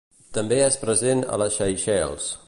També és present a les Seychelles.